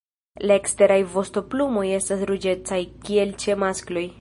La eksteraj vostoplumoj estas ruĝecaj, kiel ĉe maskloj.